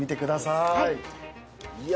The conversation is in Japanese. いや。